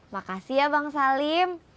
makasih ya bang salim